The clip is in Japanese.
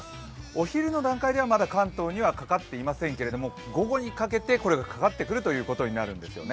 お昼の段階ではまだ関東にはかかっていませんけど、午後にかけてこれがかかってくるということになるんです。